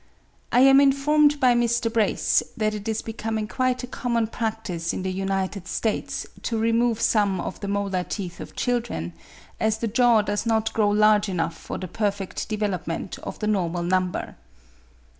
I am informed by Mr. Brace that it is becoming quite a common practice in the United States to remove some of the molar teeth of children, as the jaw does not grow large enough for the perfect development of the normal number.